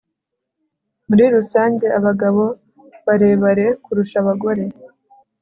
Muri rusange abagabo barebare kurusha abagore